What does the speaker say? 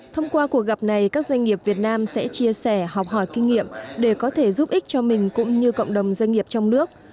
thông qua cuộc gặp này các doanh nghiệp việt nam sẽ chia sẻ học hỏi kinh nghiệm để có thể giúp ích cho mình cũng như cộng đồng doanh nghiệp trong nước